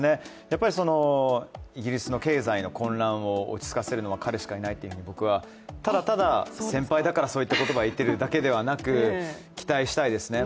イギリスの経済の混乱を落ち着かせるのは彼しかいないとただただ先輩だからそういった言葉を言っているわけではなく、期待したいですね。